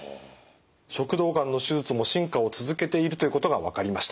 食道がんの手術も進化を続けているということが分かりました。